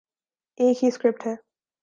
ایک ہی سکرپٹ ہے۔